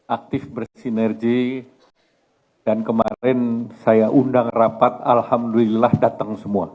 aktif bersinergi dan kemarin saya undang rapat alhamdulillah datang semua